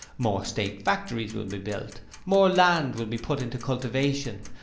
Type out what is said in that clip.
More State factories will be built, more land will be put into cultivation.